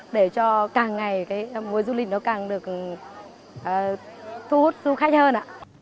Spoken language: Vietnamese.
để cho càng ngày mùa du lịch nó càng được thu hút du khách hơn